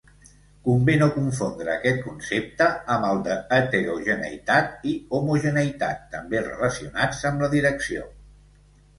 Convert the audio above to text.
Convé no confondre aquest concepte amb el d'heterogeneïtat i homogeneïtat, també relacionats amb la direcció.